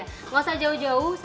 nggak usah jauh jauh